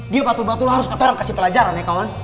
dia patut patut harus ke orang kasih pelajaran ya kawan